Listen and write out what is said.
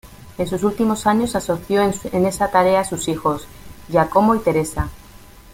En sus últimos años asoció en esa tarea a sus hijos Giacomo y Teresa.